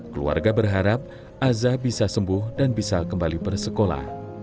keluarga berharap aza bisa sembuh dan bisa kembali bersekolah